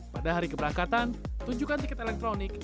pada hari keberangkatan tunjukkan tiket elektronik